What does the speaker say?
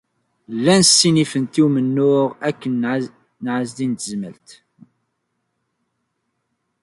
Llant ssinifent i umennuɣ akked Ɛezdin n Tezmalt.